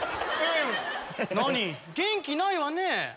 何元気ないわね。